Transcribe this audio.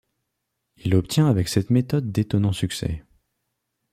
Il obtient avec cette méthode d'étonnants succès.